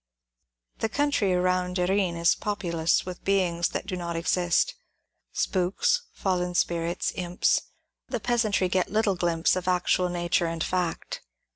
The country around Derreen is populous with beings that do not exist, — spooks, fallen spirits, imps ; the peasantry get little glimpse of actual nature and fact.